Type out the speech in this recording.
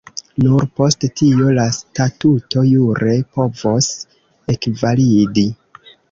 Nur post tio la statuto jure povos ekvalidi.